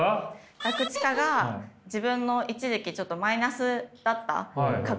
ガクチカが自分の一時期ちょっとマイナスだった過去というか。